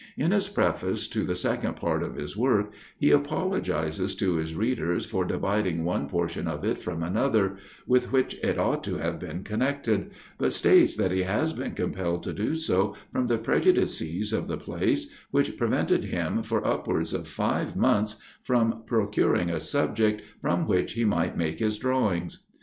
In his preface to the second part of his work, he apologizes to his readers for dividing one portion of it from another, with which it ought to have been connected; but states that he has been compelled to do so from the prejudices of the place, which prevented him for upwards of five months, from procuring a subject from which he might make his drawings.